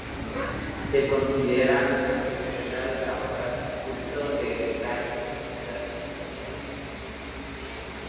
Se considera una precuela de la obra de culto de Raimi, "The Evil Dead".